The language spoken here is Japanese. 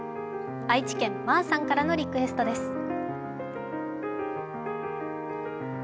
愛知県ｍａｒさんからのリクエストです。